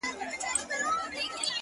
وربــاندي نــه وركوم ځــان مــلــگــرو’